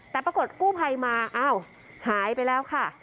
แต่ปรากฏกู้ภัยมาอ้าวหายไปแล้วค่ะ